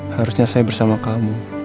harusnya saya bersama kamu